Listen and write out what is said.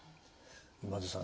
今津さん